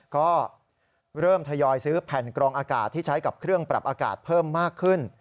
ก็เริ่มทยอยซื้อแผ่นกรองอากาศที่ใช้กับเครื่องปรับอากาศเพิ่มมากขึ้น